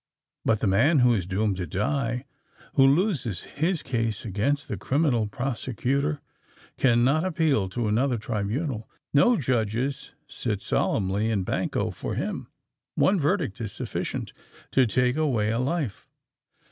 But the man who is doomed to die—who loses his case against the criminal prosecutor—cannot appeal to another tribunal. No judges sit solemnly in banco for him: one verdict is sufficient to take away a life.